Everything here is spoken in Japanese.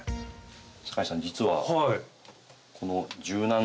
酒井さん実はこの。